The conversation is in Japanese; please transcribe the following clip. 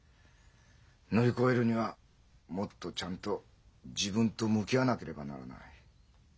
乗り越えるにはもっとちゃんと自分と向き合わなければならない。